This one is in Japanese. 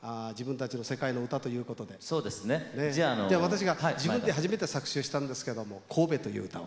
じゃあ私が自分で初めて作詞をしたんですけども「神戸」という歌を。